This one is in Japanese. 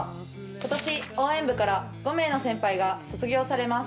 今年、応援部から５名の先輩が卒業されます。